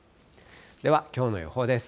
では、きょうの予報です。